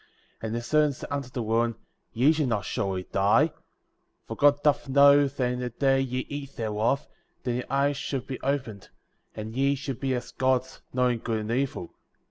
* 10. And the serpent said unto the woman: Ye shall not surely die; 11. For God doth know that in the day ye eat thereof, then your eyes shall be opened, and ye shall be as Gods, knowing good and evil.